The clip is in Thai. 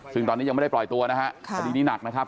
ซึ่งตอนนี้ยังไม่ได้ปล่อยตัวนะฮะคดีนี้หนักนะครับ